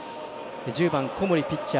１０番、小森ピッチャー